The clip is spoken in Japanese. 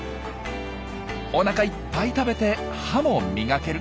おなかいっぱい食べて歯も磨ける。